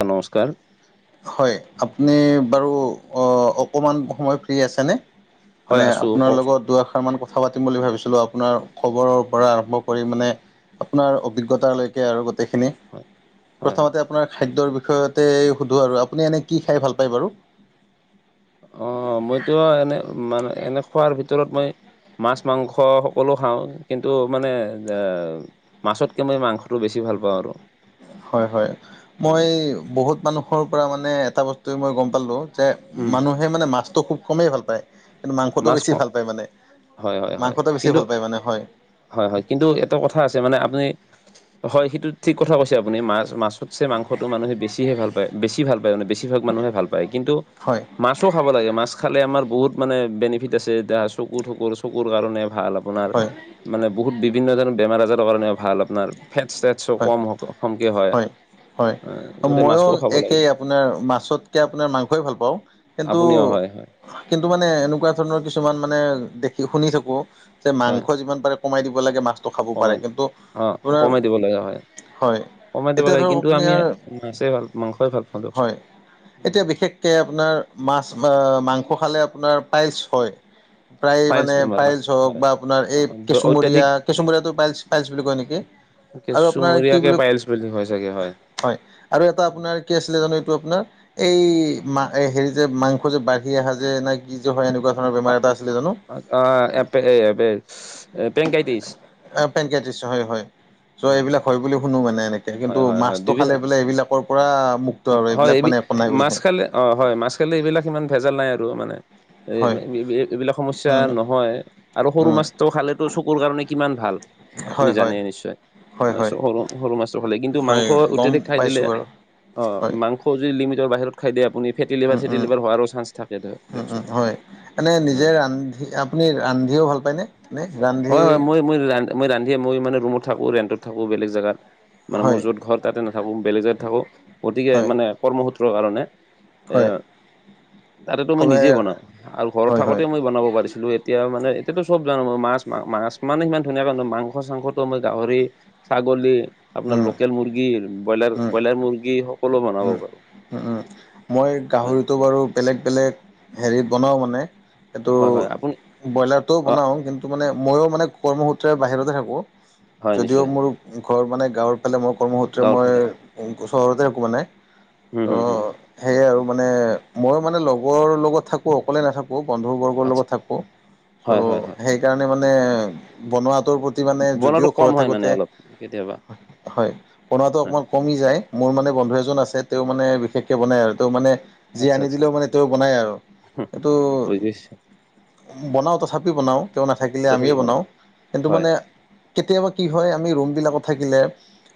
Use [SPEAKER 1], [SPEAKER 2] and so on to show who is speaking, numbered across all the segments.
[SPEAKER 1] অ', নমস্কাৰ।
[SPEAKER 2] হয়, আপুনি বাৰু অ, অকণমান সময় ফ্ৰী আছেনে? মানে
[SPEAKER 1] হয় আছো
[SPEAKER 2] আপোনাৰ
[SPEAKER 1] কওক
[SPEAKER 2] লগত দু আষাৰ মান ক কথা পাতিম বুলি ভাবিছিলোঁ আপোনাৰ খবৰৰ পৰা আৰম্ভ কৰি মানে আপোনাৰ অভিজ্ঞতালৈকে আৰু গোটেইখিনি।
[SPEAKER 1] হয় হয় হয়।
[SPEAKER 2] প্ৰথমতে আপোনাৰ খাদ্যৰ বিষয়তে সুধো আৰু, আপুনি এনে কি খাই ভাল পায় বাৰু?
[SPEAKER 1] অ', মইতো এনে মানে এনে খোৱাৰৰ ভিতৰত মই মাছ মাংস সকলো খাওঁ কিন্তু মানে যে মাছতকে মই মাংসটো বেছি ভাল পাওঁ আৰু।
[SPEAKER 2] হয়-হয়,
[SPEAKER 1] হয়।
[SPEAKER 2] মই বহুত মানুহৰ পৰা মানে এটা বস্তুেই মই গম পালোঁ যে
[SPEAKER 1] উম।
[SPEAKER 2] মানুহে মানে মাছটো খুব কমেই ভাল পায়। কিন্তু মাংসটো
[SPEAKER 1] মাছ
[SPEAKER 2] বেছি
[SPEAKER 1] কম
[SPEAKER 2] ভাল পায় মানে, মাংসটো বেছি ভাল পায় মানে হয়।
[SPEAKER 1] হয়-হয় কিন্তু এট কথা আছে মানে আপুনি, হয় সেইটোত ঠিক কথা কৈছে আপুনি মাছ-মছাছতছে মাংসটো মানুহে বেছিে হে ভাল পায় বেছি ভাল পাই মানে বেছি বেছি ভাগ মানুহে ভাল পায় কিন্তু
[SPEAKER 2] হয়।
[SPEAKER 1] মাছো খাব লাগে মাছ খালে আমাৰ বহুত মানে বেনিফিট আছে এতি চকু থাকোঁ চকুৰ কাৰণে ভাল। আপোনাৰ
[SPEAKER 2] হয়
[SPEAKER 1] মানে বহুত বিভিন্ন ধৰণৰ বেমাৰ আজাৰৰ কাৰণে ভাল আপোনাৰ ফেট চটছ
[SPEAKER 2] হয়।
[SPEAKER 1] কমমকে হয়।
[SPEAKER 2] হয়। অ',
[SPEAKER 1] গতিকে
[SPEAKER 2] মইও
[SPEAKER 1] মাছটোও খাব লাগে
[SPEAKER 2] একেই আপোনাৰ মাছতকে আপোনাৰ মাংসই ভাল পাওঁ কিন্তু
[SPEAKER 1] আপুনিও হয় হয়
[SPEAKER 2] কিন্তু মানে এনেকুৱা ধৰণৰ কিছুমান মানে দেখি শুনি থাকোঁ যে
[SPEAKER 1] হয়
[SPEAKER 2] মাংস যিমান পাৰে কমাই দিব লাগে মাছটো খাব
[SPEAKER 1] কমাই
[SPEAKER 2] পাৰে। কিন্তু
[SPEAKER 1] অ
[SPEAKER 2] আপোনাৰ
[SPEAKER 1] কমাই দিব লাগে হয়।
[SPEAKER 2] হয়
[SPEAKER 1] কমাই দিব
[SPEAKER 2] এতিয়া
[SPEAKER 1] লাগে
[SPEAKER 2] ধৰক
[SPEAKER 1] কিন্তু, আমি
[SPEAKER 2] আপোনাৰ
[SPEAKER 1] মাছেই ভাল মাংসই ভাল পাওঁ দিয়কচোন।
[SPEAKER 2] হয় এতিয়া
[SPEAKER 1] উম
[SPEAKER 2] বিশেষকৈ আপোনাৰ মাছ অ, মাংস খালে আপোনাৰ পাইলচ হয়। প্ৰায়
[SPEAKER 1] পাইলছ
[SPEAKER 2] মানে
[SPEAKER 1] বেমাৰ হয়
[SPEAKER 2] পাইলছ হওঁক
[SPEAKER 1] হয়।
[SPEAKER 2] বা আপোনাৰ
[SPEAKER 1] অ
[SPEAKER 2] এই
[SPEAKER 1] অত্যাধিক
[SPEAKER 2] কেঁচুমৰীয়া কেঁচুমৰীয়াটো পাইলচ-পাইলচ বুলি কয় নেকি? আৰু আপোনাৰ কি
[SPEAKER 1] কেঁচুমৰীয়েকে পাইলছ বুলি হয় চাগে হয়।
[SPEAKER 2] হয় আৰু এটা আপোনাৰ কি আছিলে জানোঁ এইটো আপোনাৰ এই মা হেৰি যে মাংস যে বাঢ়ি আহে যে না কি যে হয় এনেকুৱা তোমাৰ বেমাৰ এটা আছিলে জানোঁ?
[SPEAKER 1] অ', এপে এ এপে
[SPEAKER 2] অ', পানক্ৰাইটিছ হয়-হয়। চ' এইবিলাক হয় বুলি হুনো মানে এনেকে
[SPEAKER 1] হয়
[SPEAKER 2] কিন্তু
[SPEAKER 1] হয় হয়
[SPEAKER 2] মাছটো
[SPEAKER 1] বিভিন্ন
[SPEAKER 2] খালে বোলে এইবিলাকৰ পৰা মুক
[SPEAKER 1] হয় এবি মাছ খালে অ', হয় মাছ খালে এইবিলাক ইমান ভেজাল নাই আৰু মানে এ
[SPEAKER 2] হয়
[SPEAKER 1] এইবিলাক সমস্যা
[SPEAKER 2] উম
[SPEAKER 1] নহয় আৰু সৰু
[SPEAKER 2] উম
[SPEAKER 1] মাছটো খালেতো চকুৰ কাৰণে কিমান ভাল। আপুনি
[SPEAKER 2] হয়
[SPEAKER 1] জানে
[SPEAKER 2] হয়
[SPEAKER 1] নিশ্চয়।
[SPEAKER 2] হয় হয়
[SPEAKER 1] সৰু-সৰু মাছটো ভালে কিন্তু,
[SPEAKER 2] হয়
[SPEAKER 1] মাংস
[SPEAKER 2] গম
[SPEAKER 1] অত্যাধিক খাই দিলে
[SPEAKER 2] পাইছোঁ বাৰু
[SPEAKER 1] অ',
[SPEAKER 2] হয়
[SPEAKER 1] মাংস যদি লিমিটৰ বাহিৰত খাই দিয় আপুনি ফেটি
[SPEAKER 2] উম
[SPEAKER 1] লিভাৰ চেতি
[SPEAKER 2] উম
[SPEAKER 1] লিভাৰ হোৱাৰো চানঞ্চ থাকে ধৰক দিয়কচোন।
[SPEAKER 2] মানে নিজে
[SPEAKER 1] হয়
[SPEAKER 2] ৰান্ধি আপুনি ৰান্ধিও ভাল পায়নে? নে ৰান্ধি
[SPEAKER 1] মই-মই ৰান্ধে মই মানে ৰুমত থাকো ৰেন্টত থাকো বেলেগ জেগাত, মানে মোৰ
[SPEAKER 2] হয়
[SPEAKER 1] য'ত ঘৰত তাতে নাথাকো বেলেগ জাগাত থাকোঁ গতিকে
[SPEAKER 2] হয়
[SPEAKER 1] মানে কৰ্মসূত্ৰৰ কাৰণে। এ,
[SPEAKER 2] হয়
[SPEAKER 1] তাতে মই নিজে
[SPEAKER 2] খুবেই
[SPEAKER 1] বনাওঁ। আৰু ঘৰত
[SPEAKER 2] হয় হয়
[SPEAKER 1] থাকোতে মই বনাব পৰিছিলোঁ, এত এতিয়া মানে এতিয়াতো চব জানোঁ মই মাছ-মাছ মানে সিমান ধুনীয়া মাংস চাংসটো মই গাহৰি ছাগলী, আপোনাৰ
[SPEAKER 2] উম
[SPEAKER 1] লোকেল মুৰ্গী, ব্ৰইলাৰ-ব্ৰইলাৰ মুৰ্গী সকলো বনাব পাৰোঁ।
[SPEAKER 2] উম-উম। মই গাহৰিটো বাৰু বেলেগ-বেলেগ হেৰিত বনাওঁ মানে সেই
[SPEAKER 1] হয়-হয়। আপুনি
[SPEAKER 2] ব্ৰইলাৰটোও
[SPEAKER 1] অ
[SPEAKER 2] বনাওঁ কিন্তু মানে ময়ো মানে কৰ্মসূত্ৰে বাহিৰতে থাকোঁ।
[SPEAKER 1] হয়
[SPEAKER 2] যদিও
[SPEAKER 1] নিশ্চয়
[SPEAKER 2] মোৰ ঘৰ মানে গাঁৱৰ ফালে মই কৰ্মসূত্ৰে
[SPEAKER 1] গাঁৱৰ
[SPEAKER 2] মই
[SPEAKER 1] ফালে
[SPEAKER 2] চহৰতে থাকোঁ মানে
[SPEAKER 1] হুম হুম হুম
[SPEAKER 2] ত সেয়াই আৰু মানে মই মানে লগৰ লগত থাকোঁ, অকলে নাথাকোঁ বন্ধুবৰ্গৰ
[SPEAKER 1] আচ্ছা
[SPEAKER 2] লগত থাকোঁ
[SPEAKER 1] হয় হয়
[SPEAKER 2] চ'
[SPEAKER 1] হয়
[SPEAKER 2] সেইকাৰণে মানে বনোৱা ত' প্ৰতি মানে
[SPEAKER 1] বনোৱাটো
[SPEAKER 2] যদিও
[SPEAKER 1] কম
[SPEAKER 2] ঘৰত
[SPEAKER 1] হয় মানে
[SPEAKER 2] থাকোতে
[SPEAKER 1] অলপ কেতিয়াবা
[SPEAKER 2] হয়, বনোৱাটো
[SPEAKER 1] হয়
[SPEAKER 2] অকনমান কমি যায়, মোৰ মানে বন্ধু এজন আছে তেওঁ মানে বিশেষকে বনাই আৰু। ত' মানে যি
[SPEAKER 1] আচ্ছা
[SPEAKER 2] আনি
[SPEAKER 1] আচ্ছা
[SPEAKER 2] দিলেও মানে তেওঁ বনায় আৰু সেইটো
[SPEAKER 1] বুজি পাইছো
[SPEAKER 2] বনাও তথাপি বনাও, তেওঁ নাথাকিলে
[SPEAKER 1] তথাপি
[SPEAKER 2] আমিয়ে
[SPEAKER 1] বনাও
[SPEAKER 2] বনাওঁ, কিন্তু
[SPEAKER 1] হয়
[SPEAKER 2] মানে কেতিয়াবা কি হয় আমি ৰুমবিলাকত থাকিলে,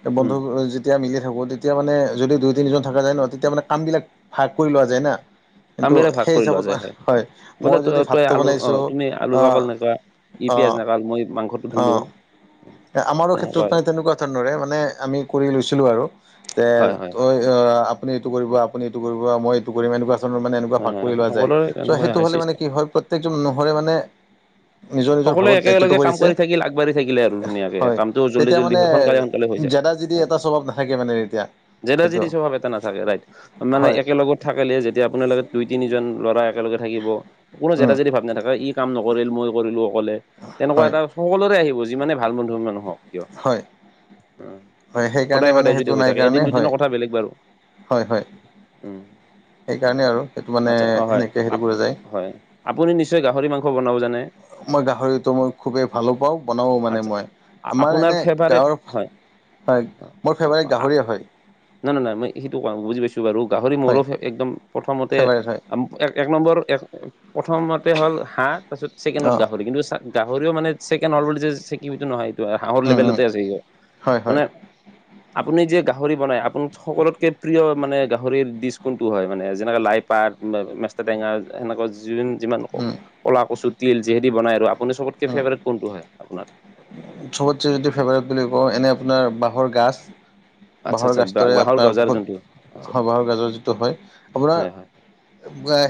[SPEAKER 2] এ বন্ধ
[SPEAKER 1] উম
[SPEAKER 2] তেতিয়া নিজে থাকো, তেতিয়া মানে যদি দুই তিনিজন থকা যায় ন, তেতিয়া মানে কাম বিলাক ভাগ কৰি লোৱা যায় না। কিন্তু
[SPEAKER 1] কাম বিলাক ভাগ
[SPEAKER 2] সেই
[SPEAKER 1] কৰি লোৱা
[SPEAKER 2] হিচাপত
[SPEAKER 1] যায় হয়,
[SPEAKER 2] মই
[SPEAKER 1] বোলে
[SPEAKER 2] যদি
[SPEAKER 1] ত তই
[SPEAKER 2] ভাতটো
[SPEAKER 1] আলু
[SPEAKER 2] বনাইছোঁ
[SPEAKER 1] অ', তুমি
[SPEAKER 2] অঁ
[SPEAKER 1] [unintelligible] ই পিঁয়াজ
[SPEAKER 2] অঁ
[SPEAKER 1] ন কাল মই মাংসটো ধুলো।
[SPEAKER 2] এ আমাৰো ক্ষেত্ৰত
[SPEAKER 1] তেনেকুৱাই
[SPEAKER 2] মানে তেনেকুৱা ধৰণৰে মানে আমি কৰি লৈছিলোঁ আৰু তে
[SPEAKER 1] হয় হয়
[SPEAKER 2] তই এ আপুনি এইটো কৰিব আপুনি মই এইটো কৰিম এনেকুৱা মানে এনেকুৱা
[SPEAKER 1] হয়
[SPEAKER 2] ভাগ
[SPEAKER 1] হয় হয়।
[SPEAKER 2] কৰি লোৱা যায়,
[SPEAKER 1] সকলোৰে
[SPEAKER 2] চ'
[SPEAKER 1] এনেকুৱাই
[SPEAKER 2] সেইটো
[SPEAKER 1] হয়
[SPEAKER 2] হ'লে মানে
[SPEAKER 1] চিষ্টেম
[SPEAKER 2] কি হয় প্ৰ প্ৰত্যেকজন নহ'লে মানে নিজৰ- নিজৰ
[SPEAKER 1] সকলোৱে
[SPEAKER 2] ভাগত দায়িত্বটো
[SPEAKER 1] একেলগে কাম
[SPEAKER 2] পৰিছে,
[SPEAKER 1] কৰি থাকিল আগবাঢ়ি থাকিলে আৰু ধুনীয়াকে
[SPEAKER 2] হয়,
[SPEAKER 1] কামটো জল্দি
[SPEAKER 2] তেতিয়া
[SPEAKER 1] জল্দি
[SPEAKER 2] মানে
[SPEAKER 1] হয় সোনকালে সোনকালে হৈ যায়
[SPEAKER 2] জেদা- জেদী
[SPEAKER 1] হয়
[SPEAKER 2] এটা স্বভাৱ নাথাকে মানে তেতিয়া।
[SPEAKER 1] জেদা-
[SPEAKER 2] সেইটো
[SPEAKER 1] জেদী স্বভাৱ এটা নাথাকে ৰাইট। মানে
[SPEAKER 2] হয়
[SPEAKER 1] একেলগত থাকিলে যেতিয়া আপোনালোকে দুই তিনিজন ল'ৰা একেলগে থাকিব কোনো জেদা
[SPEAKER 2] উম
[SPEAKER 1] জেদী ভাব নাথাকে, ই কাম নকৰিল মই কৰিলো অকলে, তেনেকুৱা
[SPEAKER 2] হয়
[SPEAKER 1] এটা সকলো [unintelligible] আহিব যিমানে ভাল বন্ধু নহক।
[SPEAKER 2] হয়। হয়,
[SPEAKER 1] সদায়
[SPEAKER 2] সেইকাৰণে মানে
[SPEAKER 1] সদায় যদি
[SPEAKER 2] সেইটো
[SPEAKER 1] হৈ
[SPEAKER 2] নাই
[SPEAKER 1] থাকে এদিন
[SPEAKER 2] কাৰণে
[SPEAKER 1] দুদিনৰ
[SPEAKER 2] হয়,
[SPEAKER 1] কথা বেলেগ বাৰু
[SPEAKER 2] হয়-হয়।
[SPEAKER 1] উম
[SPEAKER 2] সেইকাৰণে আৰু সেইটো মানে
[SPEAKER 1] আচ্ছা অ হয়
[SPEAKER 2] সেনেকে
[SPEAKER 1] আপ
[SPEAKER 2] সেইটো কৰা যায়।
[SPEAKER 1] হয় আপুনি নিশ্চয় গাহৰি মাংস বনাব জানে।
[SPEAKER 2] মই গাহৰিটো মই খুবেই ভালো পাওঁ, বনাও মানে
[SPEAKER 1] আচ্ছা
[SPEAKER 2] মই,
[SPEAKER 1] আ-
[SPEAKER 2] আমাৰ
[SPEAKER 1] আপোনাৰ
[SPEAKER 2] এনে
[SPEAKER 1] ফেভাৰেট
[SPEAKER 2] গাঁৱৰ
[SPEAKER 1] হয়
[SPEAKER 2] হয়, মোৰ
[SPEAKER 1] অ
[SPEAKER 2] ফেভাৰেট
[SPEAKER 1] অ
[SPEAKER 2] গাহৰিয়ে হয়।
[SPEAKER 1] নাই নাই-নাই মই সেইটো কোৱা নাই, বুজি পাইছো বাৰু গাহৰি
[SPEAKER 2] হয়
[SPEAKER 1] মোৰো একদম প্ৰথমতে
[SPEAKER 2] ফেভাৰেট হয়
[SPEAKER 1] এক-এক নম্বৰ এক প্ৰথমতে হ'ল হাঁহ, তাৰপিছত ছেকেণ্ডত
[SPEAKER 2] অঁ
[SPEAKER 1] গাহ কিন্তু চাওঁক গাহৰিও মানে চেকেণ্ড হ'ল বুলি যে [unintelligible] নহয়। হাঁহৰ লেভেলতে আছে সিও,
[SPEAKER 2] হয়
[SPEAKER 1] মানে
[SPEAKER 2] [inaudible]
[SPEAKER 1] আপুনি যে গাহৰি বনায়, আপোনাৰ সকলোতকে প্ৰিয় মানে গাহৰিৰ ডিচ কোনটো হয় মানে, যেনেকে লাই পাত, মেষ্টা টেঙা, সেনেকুৱা যোন যিমান ক
[SPEAKER 2] উম,
[SPEAKER 1] ক'লা কচু তিল যিহেদি বনাই আৰু আপুনি চবতকে ফেভাৰেট কোনটো হয় আপোনাৰ।
[SPEAKER 2] চবতচে যদি ফেভাৰেট বুলি কওঁ, এনে আপোনাৰ বাঁহৰ গাজ
[SPEAKER 1] আচ্ছা
[SPEAKER 2] বাঁহৰ
[SPEAKER 1] আচ্ছা বা-
[SPEAKER 2] গাজটোৰে
[SPEAKER 1] বাঁহৰ
[SPEAKER 2] আপোনাৰ
[SPEAKER 1] গজাৰ যোনটো
[SPEAKER 2] বহুত
[SPEAKER 1] আচ্ছা
[SPEAKER 2] হ বাঁহৰ গাজৰ যিটো হয়, আপোনাৰ
[SPEAKER 1] হয়, হয়।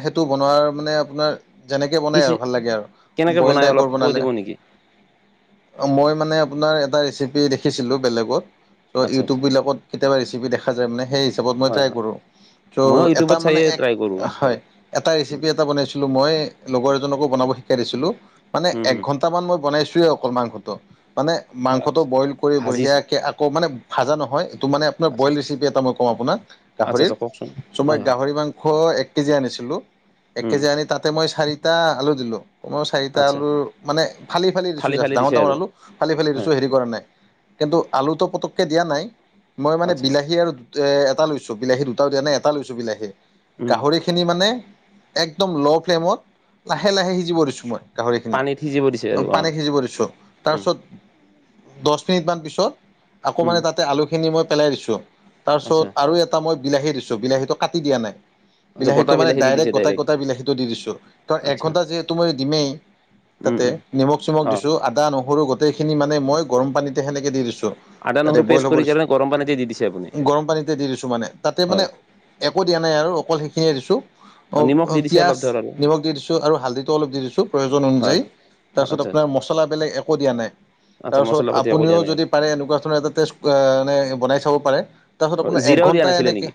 [SPEAKER 2] সেইটো বনোৱাৰ মানে আপোনাৰ যেনেকে
[SPEAKER 1] কি
[SPEAKER 2] বনায়
[SPEAKER 1] চি
[SPEAKER 2] আৰু ভাল লাগে আৰু
[SPEAKER 1] কেনেকে
[SPEAKER 2] বইল
[SPEAKER 1] বনাই অলপ
[SPEAKER 2] টাইপৰ
[SPEAKER 1] কৈ
[SPEAKER 2] বনালে।
[SPEAKER 1] দিব নেকি?
[SPEAKER 2] মই মানে আপোনাৰ এটা ৰেচিপি দেখিছিলোঁ, বেলেগত। ত'
[SPEAKER 1] আচ্ছা, আচ্ছা।
[SPEAKER 2] ইউটিউববিলাকত কেতিয়াবা ৰেচিপি দেখা যায় মানে, সেই হিচাপত মই
[SPEAKER 1] হয়,
[SPEAKER 2] ট্ৰাই
[SPEAKER 1] হয়।
[SPEAKER 2] কৰোঁ। ত',
[SPEAKER 1] ময়ো
[SPEAKER 2] এটা
[SPEAKER 1] ইউটিউবত
[SPEAKER 2] মানে
[SPEAKER 1] চাইয়ে
[SPEAKER 2] এক
[SPEAKER 1] ট্ৰাই কৰোঁ বাৰু।
[SPEAKER 2] হয়, এটা ৰেচিপি
[SPEAKER 1] উম,
[SPEAKER 2] এটা বনাইছো [unintelligible] মই লগৰ এজনকো বনাব শিকাই দিছিলো, মানে
[SPEAKER 1] হুম,
[SPEAKER 2] এক
[SPEAKER 1] হুম।
[SPEAKER 2] ঘণ্টা মান মই বনাইছোয়ে অকল মাংস টো, মানে
[SPEAKER 1] অ
[SPEAKER 2] মাংসটো
[SPEAKER 1] আচ্ছা।
[SPEAKER 2] বইল কৰি
[SPEAKER 1] ভাজি
[SPEAKER 2] বঢ়িয়াকে আকৌ মানে ভাজা নহয় এইটো মানে আপোনাৰ
[SPEAKER 1] আচ্ছা,
[SPEAKER 2] বইল ৰেচিপি এটা মই কওঁ আপোনাক,
[SPEAKER 1] আচ্ছা,
[SPEAKER 2] গাহৰিৰ।
[SPEAKER 1] আচ্ছা কওকচোন?
[SPEAKER 2] চ' মই
[SPEAKER 1] হয়, হয়।
[SPEAKER 2] গাহৰি মাংস এক কেজি আনিছিলো, এক
[SPEAKER 1] উম,
[SPEAKER 2] কেজি আনি তাতে মই চাৰি টা আলু দিলো, মই চাৰিটা
[SPEAKER 1] আচ্ছা।
[SPEAKER 2] আলু মানে ফালি- ফালি দিছো জাষ্ট, ডাঙৰ ডাঙৰ আলু ফালি- ফালি
[SPEAKER 1] হয়,
[SPEAKER 2] ৰুইছো হেৰি কৰা নাই, কিন্তু আলুটো পতককে দিয়া নাই। মই মানে
[SPEAKER 1] আচ্ছা।
[SPEAKER 2] বিলাহী আৰু দু এ এটা লৈছো, বিলাহী দুটাও দিয়া নাই এটা লৈছো বিলাহী,
[SPEAKER 1] উম,
[SPEAKER 2] গাহৰি খিনি মানে একদম ল' ফ্লেমত লাহে-লাহে সিজিব দিছোঁ মই। গাহৰিখিনি,
[SPEAKER 1] পানীত সিজিব দিছে আৰু
[SPEAKER 2] পানী
[SPEAKER 1] অ'।
[SPEAKER 2] সিজিব দিছোঁ।
[SPEAKER 1] উম,
[SPEAKER 2] তাৰপিছত দহ মিনিট মান পিছত আকৌ
[SPEAKER 1] উম,
[SPEAKER 2] মানে তাতে আলু খিনি মই পেলাই দিছোঁ।
[SPEAKER 1] আচ্ছা।
[SPEAKER 2] তাৰপিছত
[SPEAKER 1] অ
[SPEAKER 2] আৰু এটা মই বিলাহী দিছোঁ, বিলাহীটো কাটি দিয়া নাই।
[SPEAKER 1] আচ্ছা,
[SPEAKER 2] বিলাহীটো
[SPEAKER 1] গোটা
[SPEAKER 2] মানে
[SPEAKER 1] বিলাহী দি
[SPEAKER 2] ডাইৰেক্ট
[SPEAKER 1] দিছে
[SPEAKER 2] গটাই-গটাই বিলাহীটো দি দিছোঁ। কাৰণ
[SPEAKER 1] আচ্ছা।
[SPEAKER 2] এঘণ্টা যিহেতু মই দিমেই
[SPEAKER 1] উম,
[SPEAKER 2] তাতে
[SPEAKER 1] উম,
[SPEAKER 2] নিমখ চিমখ
[SPEAKER 1] অ'।
[SPEAKER 2] দিছোঁ আদা, নহৰু গোটেইখিনি মানে মই গৰম পানীতে সেনেকে দি দিছোঁ।
[SPEAKER 1] আদা,
[SPEAKER 2] তাতে
[SPEAKER 1] নহৰু
[SPEAKER 2] বইল
[SPEAKER 1] পেষ্ট
[SPEAKER 2] হ'ব
[SPEAKER 1] কৰি কেনে গৰম পানীতে দি দিছে আপুনি?
[SPEAKER 2] দিছোঁ। গৰম পানীতে দি দিছোঁ মানে, তাতে মানে
[SPEAKER 1] হয়।
[SPEAKER 2] একো দিয়া নাই আৰু অকল সেইখিনিয়ে দিছোঁ। অ',
[SPEAKER 1] নিমখ দি দিছে
[SPEAKER 2] পিঁয়াজ
[SPEAKER 1] অলপ ধৰ আৰু।
[SPEAKER 2] নিমখ দি দিছোঁ আৰু হালধিটো অলপ দি দিছোঁ প্ৰয়োজন
[SPEAKER 1] হয়,
[SPEAKER 2] অনুযায়ী।
[SPEAKER 1] হয়। অ
[SPEAKER 2] তাৰপিছত
[SPEAKER 1] আচ্ছা,
[SPEAKER 2] আপোনাৰ
[SPEAKER 1] আচ্ছা।
[SPEAKER 2] মছলা বেলেগ একো দিয়া নাই,
[SPEAKER 1] আচ্ছা,
[SPEAKER 2] তাৰপিছত
[SPEAKER 1] মছলা পাতি একো
[SPEAKER 2] আপুনিও
[SPEAKER 1] দিয়া নাই আৰু।
[SPEAKER 2] যদি পাৰে এনেকুৱা ধৰণৰ এটা টেষ্ট অ, মানে বনাই চাব পাৰে। তাৰপিছত
[SPEAKER 1] অ'
[SPEAKER 2] আপোনাৰ
[SPEAKER 1] জিৰাও দিয়া
[SPEAKER 2] এঘন্টা
[SPEAKER 1] নাছিলে
[SPEAKER 2] এনেকে,
[SPEAKER 1] নেকি?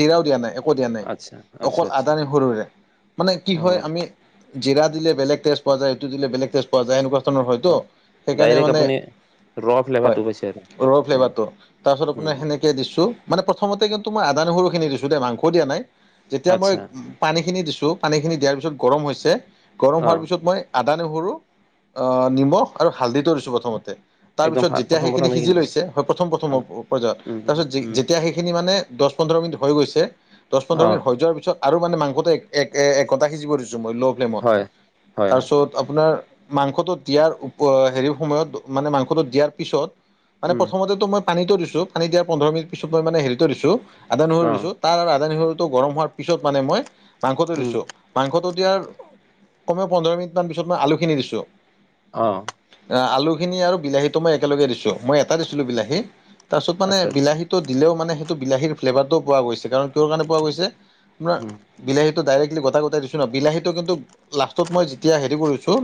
[SPEAKER 2] জিৰাও দিয়া নাই একো দিয়া নাই।
[SPEAKER 1] আচ্ছা, আচ্ছা,
[SPEAKER 2] অকল
[SPEAKER 1] আচ্ছা।
[SPEAKER 2] আদা নহৰুৰে, মানে কি হয়
[SPEAKER 1] অ',
[SPEAKER 2] আমি জিৰা দিলে বেলেগ টেষ্ট পোৱা যায় ইটো দিলে বেলেগ টেষ্ট পোৱা যায় এনেকুৱা ধৰণৰ হয়তো।
[SPEAKER 1] অ',
[SPEAKER 2] সেইকাৰণে
[SPEAKER 1] ডাইৰেক্ট
[SPEAKER 2] মানে
[SPEAKER 1] আপুনি ৰ
[SPEAKER 2] হয়।
[SPEAKER 1] ফ্লেভাৰটো পাইছে আৰু।
[SPEAKER 2] ৰ
[SPEAKER 1] উম,
[SPEAKER 2] ফ্লেভাৰটো তাৰপিছত
[SPEAKER 1] উম,
[SPEAKER 2] আপোনাৰ সে তেনেকৈ দিছোঁ মানে প্ৰথমতে কিন্তু মই আদা নহৰুখিনি দিছোঁ দেই মাংস দিয়া নাই, যেতিয়া মই
[SPEAKER 1] আচ্ছা,
[SPEAKER 2] পানীখিনি দিছোঁ, পানীখিনি দিয়াৰ পিছত গৰম হৈছে। গৰম হোৱাৰ
[SPEAKER 1] অ',
[SPEAKER 2] পিছত মই আদা, নহৰু, অ, নিমখ আৰু হালধিটো দিছোঁ প্ৰথমতে। তাৰ
[SPEAKER 1] একদম
[SPEAKER 2] পিছত
[SPEAKER 1] ফা
[SPEAKER 2] যেতিয়া
[SPEAKER 1] প্ৰথম,
[SPEAKER 2] সেইখিনি
[SPEAKER 1] প্ৰথম
[SPEAKER 2] সিজি
[SPEAKER 1] দিছে।
[SPEAKER 2] লৈছে, হয় প্ৰথম-প্ৰথম
[SPEAKER 1] অ',
[SPEAKER 2] পৰ্যায়ত।
[SPEAKER 1] উম,
[SPEAKER 2] তাৰপিছত
[SPEAKER 1] উম,
[SPEAKER 2] যেতিয়া সেইখ খিনি মানে দহ পন্ধৰ মিনিট হৈ গৈছে, দহ পোন্ধৰ মিনিট
[SPEAKER 1] অ',
[SPEAKER 2] হৈ যোৱাৰ পিছত আৰু মানে মাংসটো একঘণ্টা সিজিব দিছোঁ মই ল' ফ্লেমত,
[SPEAKER 1] হয়, হয়, হয়,
[SPEAKER 2] তাৰপিছত আপোনাৰ মাংসটো দিয়াৰ অ, হেৰি সময়ত মানে মাংসটো দিয়াৰ পিছত মানে
[SPEAKER 1] উম,
[SPEAKER 2] প্ৰথমতেটো মই পানীতো দিছোঁ পানী দিয়াৰ পোন্ধৰ মিনি পিত মই মানে হেৰিত দিছোঁ, আদা নহৰু টো
[SPEAKER 1] অ',
[SPEAKER 2] দিছোঁ। তাৰ আৰু আদা নহৰুটো গৰম হোৱাৰ পিছত মানে মই মাংসটো
[SPEAKER 1] উম,
[SPEAKER 2] দিছোঁ। মাংসটো দিয়াৰ কমেওঁ পোন্ধৰ মিনিট মান পিছত মই আলুখিনি দিছোঁ।
[SPEAKER 1] অ'।
[SPEAKER 2] অ, আলু খিনি আৰু বিলাহীতো মই একেলগে দিছোঁ, মই এটা দিছিলোঁ বিলাহী। তাৰপিছত মানে
[SPEAKER 1] আচ্ছা,
[SPEAKER 2] বিলাহী টো দিলেও মানে সেইটো বিলাহীৰ ফ্লেভাৰটোও পোৱা গৈছে কাৰণ কিয় কাৰণে পোৱা গৈছে? আপোনাৰ
[SPEAKER 1] উম,
[SPEAKER 2] বিলাহীটো ডাইৰেক্টলি গোটা-গোটাই দিছোঁ ন? বিলাহীটো কিন্তু লাষ্টত মই যেতিয়া হেৰি কৰিছোঁ।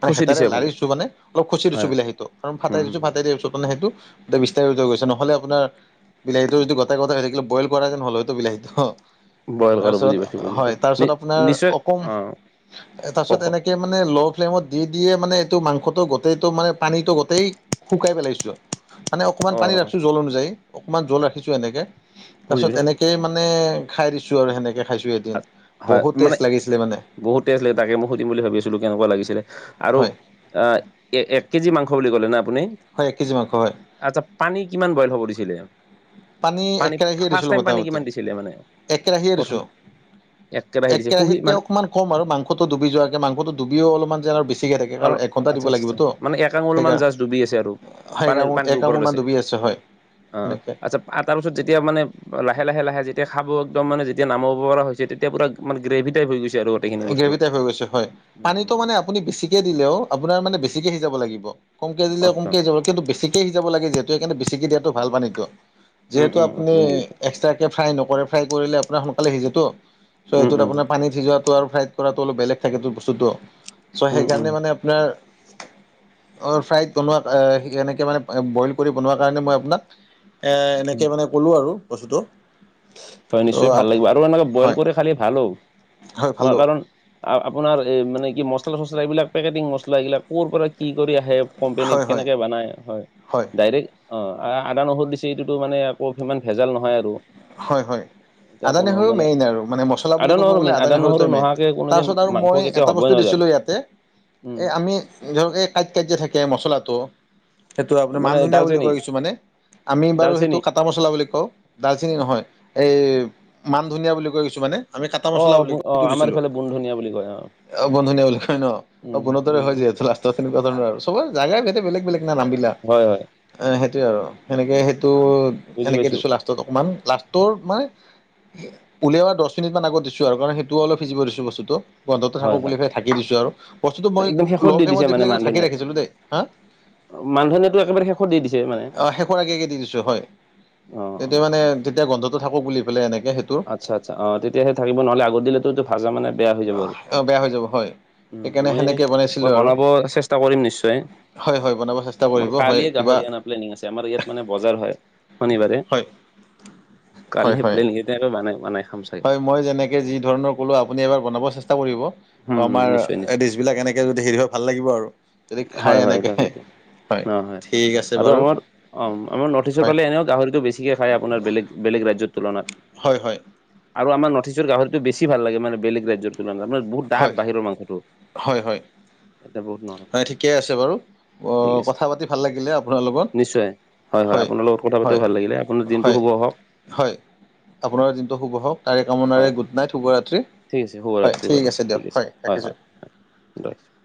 [SPEAKER 2] মানে
[SPEAKER 1] খুচি
[SPEAKER 2] হেতাৰে
[SPEAKER 1] দিছে আপুনি?
[SPEAKER 2] লাৰিছোঁ মানে অলপ খুচি দিছোঁ
[SPEAKER 1] হয়,
[SPEAKER 2] বিলাহী টো কাৰন ফটাই দিছোঁ, ফটা
[SPEAKER 1] উম,
[SPEAKER 2] ফটাই দিয়াৰ পিছত মানে সেইটো বিস্তাৰ হৈ গৈছে নহলে আপোনাৰ বিলাহীটো যদি গতাই-গতাই হৈ থাকিলে হয়, বইল কৰা যেন হল হয়তো বিলাহীটো।
[SPEAKER 1] বইল কৰোঁ বুজি
[SPEAKER 2] তাৰপিছত
[SPEAKER 1] পাইছোঁ, বুজি
[SPEAKER 2] হয়,
[SPEAKER 1] পাইছোঁ। নি
[SPEAKER 2] তাৰপিছত আপোনাৰ
[SPEAKER 1] নিশ্চয়
[SPEAKER 2] অকম,
[SPEAKER 1] অ',
[SPEAKER 2] তাৰপিছ
[SPEAKER 1] কওক, কওক,
[SPEAKER 2] এনে মানে ল' ফ্লেমত দি-দি য়ে মানে টো মাংসটো গোতেইটো মানে পানীটো গোটেই শুকাই পেলাইছোঁ। মানে অকমান পানী
[SPEAKER 1] অ',
[SPEAKER 2] ৰাখিছোঁ জল অনুযায়ী, অকনমান জ্বল ৰাখিছোঁ এনেকে।
[SPEAKER 1] বুজি
[SPEAKER 2] তাৰপিছত
[SPEAKER 1] পাইছোঁ।
[SPEAKER 2] এনেক সেই মানে খাই দিছোঁ আৰু সেনেকে খাইছোঁ এদিন।
[SPEAKER 1] আ হয়
[SPEAKER 2] বহুত
[SPEAKER 1] মানে
[SPEAKER 2] টেষ্ট লাগিছিলে মানে
[SPEAKER 1] বহুত টেষ্ট লগে তাকে মই সুধিম বুলি ভাবিছিলোঁ কেনেকুৱা লাগিছিলে? আৰু
[SPEAKER 2] হয়
[SPEAKER 1] আ এ-এক কেজি মাংস বুলি ক'লে নে আপুনি?
[SPEAKER 2] হয় এক কেজি মাংস হয়
[SPEAKER 1] আচ্ছা পানী কিমান বইল হ'ব দিছিলে?
[SPEAKER 2] এক
[SPEAKER 1] পানী
[SPEAKER 2] কেৰাহীয়ে
[SPEAKER 1] ফাৰ্ষ্ট
[SPEAKER 2] দিছিলোঁ
[SPEAKER 1] টাইম পানী
[SPEAKER 2] মোটামুটি
[SPEAKER 1] কিমান দিছিলে মানে?
[SPEAKER 2] এক কেৰাহীয়ে
[SPEAKER 1] প্ৰথম
[SPEAKER 2] দিছোঁ
[SPEAKER 1] একেৰাহে
[SPEAKER 2] এক
[SPEAKER 1] দিছে সুহি
[SPEAKER 2] কেৰাহীতকে
[SPEAKER 1] মানে
[SPEAKER 2] অকণমান ক'ম আৰু, মাংসটো ডোবি যোৱাকে মাংসটো ডুবিও অলপমান যেন ঠিকে তাকে
[SPEAKER 1] অলপ
[SPEAKER 2] কাৰণ এঘণ্টা
[SPEAKER 1] আচ্ছা
[SPEAKER 2] দিব
[SPEAKER 1] আচ্ছা
[SPEAKER 2] লাগিব
[SPEAKER 1] আচ্ছা
[SPEAKER 2] তো
[SPEAKER 1] মানে এক আঙুল মান জাষ্ট ডুবি আছে আৰু পানীৰ
[SPEAKER 2] সেইকাৰণে-সেইকাৰণে
[SPEAKER 1] পানীটোৰ
[SPEAKER 2] এক
[SPEAKER 1] ওপৰত
[SPEAKER 2] আঙুল মান ডুবি আছে। আচছা হয়।
[SPEAKER 1] অ',
[SPEAKER 2] সেনেকৈ
[SPEAKER 1] আচ্ছা তাৰপিছত যেতিয়া মানে লাহে-লাহে-লাহে যেতিয়া খাব একদম মানে যেতিয়া নামাব পৰা হৈছে তেতিয়া পূৰা মানে গ্ৰেভি টাইপ হৈ গৈছে? আৰু গোটেইখিনি
[SPEAKER 2] এ
[SPEAKER 1] বস্তু
[SPEAKER 2] গ্ৰেভি টাইপ হৈ গৈছে হয়, পানীটো
[SPEAKER 1] উম
[SPEAKER 2] মানে আপুনি বেছিকে দিলেও, আপোনাৰ মানে বেছিকে সিজাব লাগিব। কমকে দিলে
[SPEAKER 1] আচ্ছা
[SPEAKER 2] কমকে সিজাব কিন্তু বেছিকে সিজাব লাগে যিহেতো বেছিকে দিয়াটো ভাল পানিটো।
[SPEAKER 1] উম
[SPEAKER 2] যিহেতো
[SPEAKER 1] উম
[SPEAKER 2] আপু্
[SPEAKER 1] উম বুজি পাইছো
[SPEAKER 2] এক্সট্ৰা ফ্ৰাই নকৰে ফ্ৰাই কৰিলে আপোনাৰ সোনকালে সিজেতটো। চ'
[SPEAKER 1] উম
[SPEAKER 2] এইটোত
[SPEAKER 1] উম
[SPEAKER 2] আপোনাৰ পানীত সিজোৱাত ফ্ৰাইত কৰাটো অলপ বেলেগ থাকে বস্তুটো। চ'
[SPEAKER 1] উম উম
[SPEAKER 2] সেইকাৰণে মানে আপোনাৰ ফ্ৰাইড বনোৱা এনেকৈ মানে বইল কৰি বনোৱাৰ কাৰণে মই আপোনাক এ এনেকে
[SPEAKER 1] উম
[SPEAKER 2] মানে ক'লো আৰু বস্তুটো।
[SPEAKER 1] হয়
[SPEAKER 2] চ'
[SPEAKER 1] নিশ্চয় ভাল লাগিব আৰু এনেকে বইল
[SPEAKER 2] হয়
[SPEAKER 1] কৰি খালে ভালো।
[SPEAKER 2] হয়
[SPEAKER 1] মই
[SPEAKER 2] ভালো
[SPEAKER 1] কাৰণ আপোনাৰ এ মানে কি মছলা চচলা এইবিলাক পেকেটিং মছলা এইবিলাক কৰ'ৰ পৰা কি কৰি আহে। কোম্পনীত
[SPEAKER 2] হয় হয়
[SPEAKER 1] কেনেকে বনাই হয়। ডাইৰেক্ অ, আদা নহৰু দিছে এইটোতো মানে আকৌ সিমান ভেজাল নহয় আৰু।
[SPEAKER 2] হয়-হয়।
[SPEAKER 1] এতিয়া
[SPEAKER 2] আদা
[SPEAKER 1] কোনো
[SPEAKER 2] নহৰু
[SPEAKER 1] মানে
[SPEAKER 2] মেইন আৰু মানে মছলা বুলি
[SPEAKER 1] আদা
[SPEAKER 2] ক'ব
[SPEAKER 1] নহৰু
[SPEAKER 2] গ'লে
[SPEAKER 1] মেইন
[SPEAKER 2] আদা
[SPEAKER 1] নহৰু
[SPEAKER 2] নহৰুটোৱে মেইন।
[SPEAKER 1] নোহোৱাকে কোনোদিন
[SPEAKER 2] তাৰপিছত আৰু
[SPEAKER 1] মাংস
[SPEAKER 2] মই
[SPEAKER 1] কেতিয়া
[SPEAKER 2] এটা
[SPEAKER 1] হ'বই
[SPEAKER 2] বস্তু
[SPEAKER 1] নোৱাৰে
[SPEAKER 2] দিছিলোঁ ইয়াত
[SPEAKER 1] উম
[SPEAKER 2] এ আমি ধৰক এই কাইত-কাইত যে থাকে মচলাটো? সেইটো আপোনাৰ মান
[SPEAKER 1] মানে
[SPEAKER 2] ধনীয়া বুলি
[SPEAKER 1] ডালচেনি
[SPEAKER 2] কয় কিছুমানে, আমি বাৰু সেইটো
[SPEAKER 1] ডালচেনি
[SPEAKER 2] কাটা মচলা বুলি কওঁ। খিনি নহয় এই মান ধনিয়া বুলি কৈ কিছুমানে। আমি কাটা মছলা বুলি
[SPEAKER 1] অ',
[SPEAKER 2] কওঁ সেইটো
[SPEAKER 1] অ', আমাৰ
[SPEAKER 2] দিছিলোঁ
[SPEAKER 1] এইফালে বুন ধনীয়া বুলি কয় অ'।
[SPEAKER 2] অ', বন ধনীয়া বুলি কয় ন?
[SPEAKER 1] উম
[SPEAKER 2] অ', বনৰ দৰে
[SPEAKER 1] উম
[SPEAKER 2] হয়
[SPEAKER 1] উম
[SPEAKER 2] যে লাষ্ট তেনেকুৱা ধৰণৰ আৰু। চবৰ জেগাই বেলেগ-বেলেগ না নামবিলাক।
[SPEAKER 1] হয় হয়
[SPEAKER 2] এ সেইটোয়ে আৰু সেনেকে সেইটো
[SPEAKER 1] বুজি
[SPEAKER 2] এনেকে
[SPEAKER 1] পাইছো
[SPEAKER 2] দিছোঁ লাষ্টত অকমান। লাষ্টৰ মানে উলিয়ানা দহ মিনিট মান আগত দিছোঁ আৰু কাৰণ সেইটো অলপ সিজিব দিছোঁ বস্তুটো। গন্ধটো
[SPEAKER 1] হয়
[SPEAKER 2] থাকক
[SPEAKER 1] হয়
[SPEAKER 2] বুলি পেলাই ঢাকি দিছোঁ আৰু বস্তুটো মই
[SPEAKER 1] একদম শেষত
[SPEAKER 2] ল ফ্লামত
[SPEAKER 1] দিছে
[SPEAKER 2] দি
[SPEAKER 1] মানে
[SPEAKER 2] ফেলাই কিন্তু ঢাকি ৰাখিছিলোঁ দেই। হা?
[SPEAKER 1] মান ধনীয়াটো একেবাৰে শেষত দি দিছে মানে?
[SPEAKER 2] অ' শেষৰ আগে আগে দি দিছোঁ হয়
[SPEAKER 1] অ'। অ
[SPEAKER 2] তেতিয়া মানে তেতিয়া গন্ধটো থাকক বুলি এনেকে
[SPEAKER 1] আচ্ছা-আচ্ছা অ', তেতিয়াহে থাকিব নহ'লে আগত দিলেতো ভাজা মানে বেয়া হৈ যাব আৰু।
[SPEAKER 2] অ', বেয়া হৈ যাব হয়।
[SPEAKER 1] উম,
[SPEAKER 2] সেইকাৰণে সেনেকে
[SPEAKER 1] মই-মই
[SPEAKER 2] বনাইছিলোঁ আৰু
[SPEAKER 1] বনাব চেষ্টা কৰিম নিশ্চয়।
[SPEAKER 2] হয় হয় বনাব চেষ্টা
[SPEAKER 1] মোৰ
[SPEAKER 2] কৰিব হয়
[SPEAKER 1] কালিয়ে
[SPEAKER 2] কিবা
[SPEAKER 1] গাহৰি অনা প্লেনিং আছে আমাৰ ইয়াত মানে বজাৰ হয়। শনিবাৰে।
[SPEAKER 2] হয়
[SPEAKER 1] কালি
[SPEAKER 2] হয়
[SPEAKER 1] হে
[SPEAKER 2] হয়
[SPEAKER 1] প্লেনকেইটাই বানাই-বনাই খাম চাগে।
[SPEAKER 2] হয় মই যেনেকৈ যি ধৰণৰ ক'লোঁ আপুনি এবাৰ বনাব চেষ্টা কৰিব। ত,
[SPEAKER 1] উম উম
[SPEAKER 2] আমাৰ
[SPEAKER 1] নিশ্চয় নিশ্চয়
[SPEAKER 2] ডিচ বিলাক এনেকে যদি সেৰি হয় ভাল লাগিব আৰু যদি
[SPEAKER 1] হয়
[SPEAKER 2] খাই
[SPEAKER 1] হয়
[SPEAKER 2] এনেকে।
[SPEAKER 1] তাকেইতো অ', হয়
[SPEAKER 2] ঠিক আছে
[SPEAKER 1] আৰু
[SPEAKER 2] বাৰু
[SPEAKER 1] আমাৰ অ', আমাৰ নৰ্থ ইষ্টৰ
[SPEAKER 2] হয়
[SPEAKER 1] ফালে এনেও গাহৰিটো বেছি ঠিকে খাই আপোনাৰ বেলেগ - বেলেগ ৰাজ্যৰ তুলনাত।
[SPEAKER 2] হয় হয়
[SPEAKER 1] আৰু আমাৰ নৰ্থ ইষ্টৰ গাহৰিটো বেছি ভাল লাগে মানে বেলেগ ৰাজ্যৰ তুলনাত আ বহুত ডাঠ
[SPEAKER 2] হয়,
[SPEAKER 1] বাহিৰৰ মাংসটো।
[SPEAKER 2] হয়, হয়,
[SPEAKER 1] ইয়াতে বহুত নৰম
[SPEAKER 2] হয় ঠিকে আছে বাৰু। অ,
[SPEAKER 1] ঠিক আছে
[SPEAKER 2] কথা পাতি ভাল লাগিলে আপোনাৰ লগত।
[SPEAKER 1] হয়-হয়
[SPEAKER 2] হয়,
[SPEAKER 1] আপোনাৰ লগত কথা পাতিও
[SPEAKER 2] হয়,
[SPEAKER 1] ভাল লাগিলে, আপোনাৰ দিনটো
[SPEAKER 2] হয়,
[SPEAKER 1] শুভ হওঁক।
[SPEAKER 2] হয়। আপোনাৰ দিনটো শুভ হওঁক, তাৰে
[SPEAKER 1] হয়
[SPEAKER 2] কামনাৰে
[SPEAKER 1] হয়,
[SPEAKER 2] গুড নাইট শুভৰাত্ৰি।
[SPEAKER 1] ঠিক আছে শুভ
[SPEAKER 2] হয়
[SPEAKER 1] ৰাত্ৰি বাৰু
[SPEAKER 2] দিয়ক
[SPEAKER 1] ঠিক আছে
[SPEAKER 2] হয় ৰাখিছোঁ।
[SPEAKER 1] হয়-হয়-হয় [unintelligible]